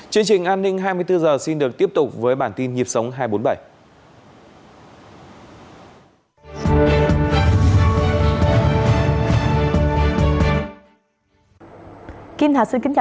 chương trình an ninh hai mươi bốn h xin được tiếp tục với bản tin nhịp sống hai trăm bốn mươi bảy